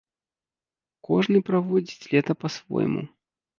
Кожны праводзіць лета па-свойму.